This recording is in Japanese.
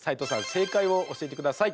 正解を教えてください。